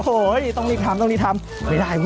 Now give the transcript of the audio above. โอ๊ยต้องรีบทำไม่ได้